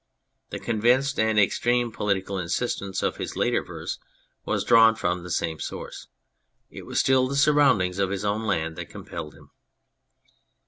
The convinced and extreme political insistence of his later verse was drawn from the same source. It was still the surroundings of his own land that compelled him.